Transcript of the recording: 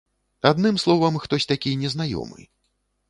Адным словам, хтось такі незнаёмы.